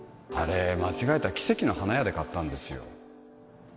あれ間違えた奇跡の花屋で買ったんですよ